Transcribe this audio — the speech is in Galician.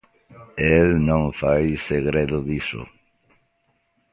El non fai segredo diso.